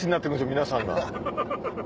皆さんが。